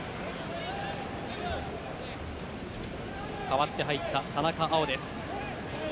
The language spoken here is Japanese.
代わって入った田中碧です。